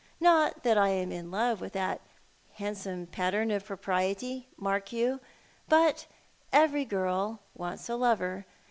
Not that I am in love with that handsome pattern of j^ropriety, mark you; but every girl wants a lover.